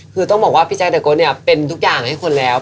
คือต้องบอกว่าพี่แจ๊คแต่โก๊เนี่ยเป็นทุกอย่างให้คนแล้ว